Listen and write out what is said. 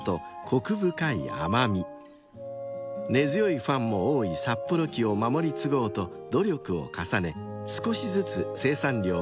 ［根強いファンも多い札幌黄を守り継ごうと努力を重ね少しずつ生産量を高めています］